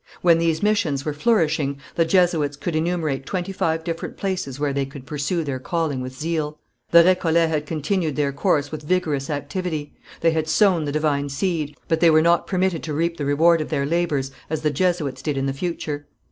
When these missions were flourishing, the Jesuits could enumerate twenty five different places where they could pursue their calling with zeal. The Récollets had continued their course with vigorous activity; they had sown the divine seed, but they were not permitted to reap the reward of their labours, as the Jesuits did in the future.